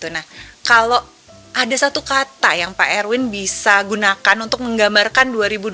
nah kalau ada satu kata yang pak erwin bisa gunakan untuk menggambarkan dua ribu dua puluh